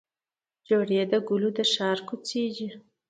جوړې د ګلو د ښار کوڅې دي